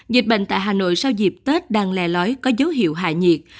dịch bệnh tại hà nội sau dịp tết đang lè lói có dấu hiệu hạ nhiệt